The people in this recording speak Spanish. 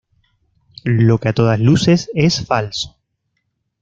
Lo que a todas luces es falso.